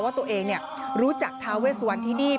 ว่าตัวเองรู้จักทาเวสวันที่นี่